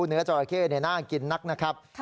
เนื้อจราเข้น่ากินนักนะครับ